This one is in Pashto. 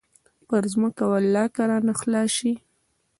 پر ځمكه ولله كه رانه خلاص سي.